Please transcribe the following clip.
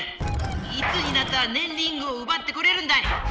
いつになったらねんリングをうばってこれるんだい！